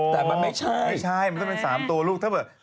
โถ้ไม่ใช่มันต้องเป็น๓ตัวลูกถ้าแบบนี้